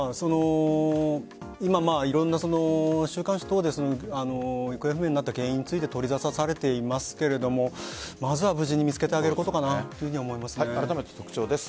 今、いろんな週刊誌等で行方不明になった原因について取り沙汰されていますがまずは無事に見つけてあげることかなとあらためて特徴です。